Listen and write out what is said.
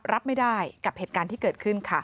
รับไม่ได้กับเหตุการณ์ที่เกิดขึ้นค่ะ